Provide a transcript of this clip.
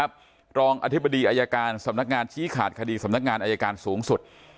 รองอธิบดีอายการสำนักงานชี้ขาดคดีสำนักงานอายการสูงสุด